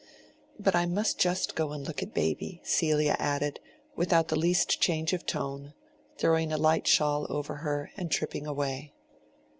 But I must just go and look at baby," Celia added, without the least change of tone, throwing a light shawl over her, and tripping away.